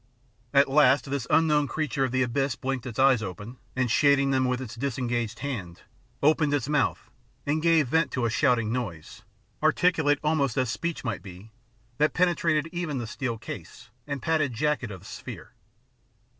At last this unknown creature of the abyss blinked its eyes open, and, shading them with its disengaged hand, opened its mouth and gave vent to a shouting noise, articulate almost as speech might be, that penetrated even the steel case and padded jacket of the sphere.